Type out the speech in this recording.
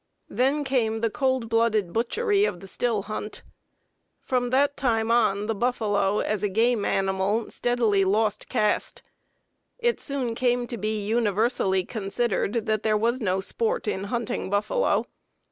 Then came the cold blooded butchery of the still hunt. From that time on the buffalo as a game animal steadily lost caste. It soon came to be universally considered that there was no sport in hunting buffalo.